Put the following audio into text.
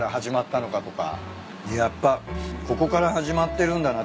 やっぱここから始まってるんだなって。